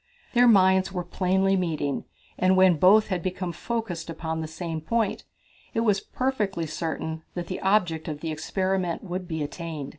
Their minds were plainly meeting, and when both had become focused upon the same point, it was perfectly certain that the object of the experiment would be attained.